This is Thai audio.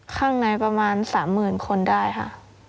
ข้างในประมาณ๓๐๐๐คนได้ค่ะ